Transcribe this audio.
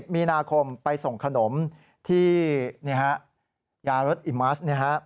มีนาคมไปส่งขนมที่ยารสอิมัส